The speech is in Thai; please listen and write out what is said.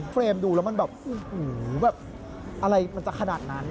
เฟรมดูแล้วมันแบบอะไรมันจะขนาดนั้น